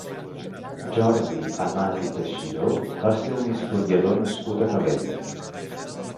Jordi Amat i Teixidó va ser un historiador nascut a Calella.